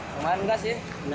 korban nggak sih